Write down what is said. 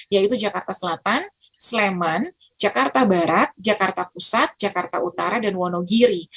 yaitu jakarta selatan sleman jakarta barat jakarta pusat jakarta utara dan wonogiri